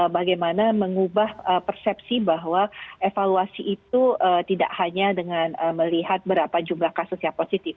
bagaimana mengubah persepsi bahwa evaluasi itu tidak hanya dengan melihat berapa jumlah kasus yang positif